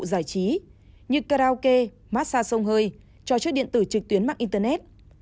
giải trí như karaoke massage sông hơi trò chơi điện tử trực tuyến mạng internet